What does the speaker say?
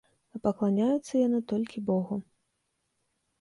А пакланяюцца яны толькі богу.